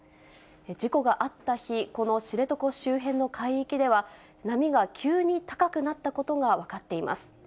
事故があった日、この知床周辺の海域では、波が急に高くなったことが分かっています。